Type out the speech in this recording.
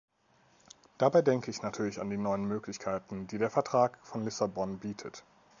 Dabei denke ich natürlich an die neuen Möglichkeiten, die der Vertrag von Lissabon bietet.